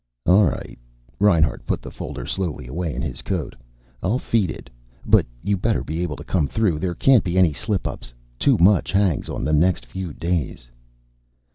"All right." Reinhart put the folder slowly away in his coat. "I'll feed it. But you better be able to come through. There can't be any slip ups. Too much hangs on the next few days."